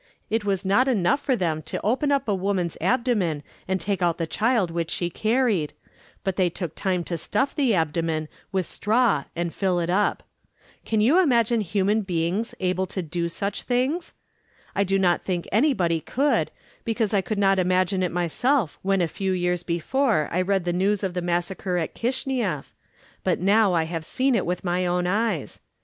It was not enough for them to open up a woman's abdomen and take out the child which she carried, but they took time to stuff the abdomen with straw and fill it up. Can you imagine human beings able to do such things? I do not think anybody could, because I could not imagine it myself when a few years before I read the news of the massacre in Kishineff, but now I have seen it with my own eyes.